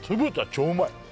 超うまい！